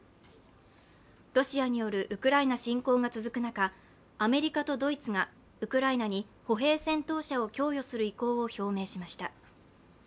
ロシアによるウクライナ侵攻が続く中、アメリカとドイツがウクライナに歩兵戦闘車を供与する意向を表明しました。